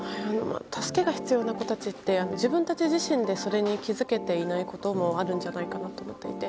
助けが必要な子たちって自分たち自身でそれに気づけていないこともあるんじゃないかなと思っていて。